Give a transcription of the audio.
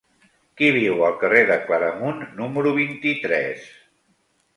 Qui viu al carrer de Claramunt número vint-i-tres?